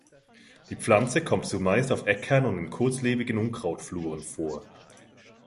Die Pflanze kommt zumeist auf Äckern und in kurzlebigen Unkrautfluren vor.